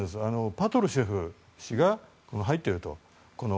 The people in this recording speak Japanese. パトルシェフ氏が入っていると。